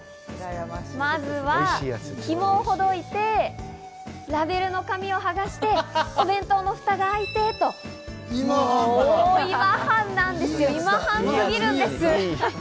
まずはひもをほどいて、ラベルの紙を剥がして、お弁当のフタが開いてと、もう今半なんです、今半すぎるんです。